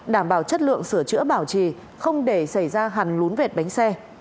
đảm bảo chất lượng sửa chữa bảo trì không để xảy ra hàn lún vệt bánh xe